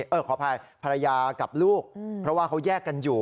ขออภัยภรรยากับลูกเพราะว่าเขาแยกกันอยู่